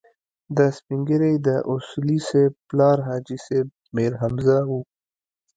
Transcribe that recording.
دا سپين ږيری د اصولي صیب پلار حاجي صیب میرحمزه و.